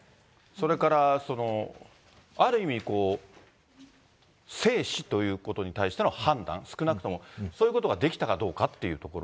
それからある意味、生死ということに対しての判断、少なくとも、そういうことができたかどうかっていうところ。